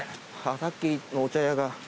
さっきのお茶屋が。